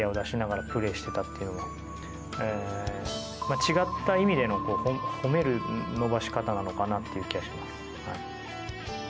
違った意味での褒める伸ばし方なのかなという気がします。